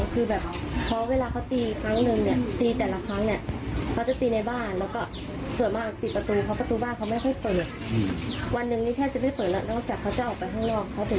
คือแบบถ้าน้องส่งเสียงร้องออกมาเสียงดังอย่างนี้เขาก็จะยิ่งดีร้อง